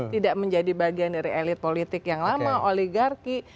tidak menjadi bagian dari elit politik yang lama oligarki